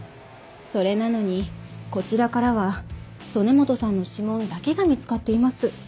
それなのにこちらからは曽根本さんの指紋だけが見つかっています。